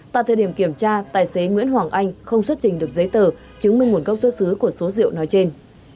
tại thời điểm kiểm tra tài xế nguyễn hoàng anh không xuất trình được giấy tờ chứng minh nguồn gốc xuất xứ của số rượu nói trên